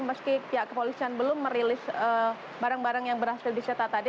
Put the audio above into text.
meski pihak kepolisian belum merilis barang barang yang berhasil dicetak tadi